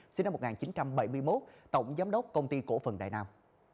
sinh năm một nghìn chín trăm bảy mươi một tổng giám đốc công ty cổ phần đại nam